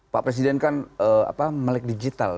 pak presiden kan melek digital